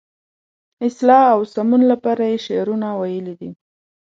اصلاح او سمون لپاره یې شعرونه ویلي دي.